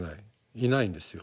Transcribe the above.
いないんですよ。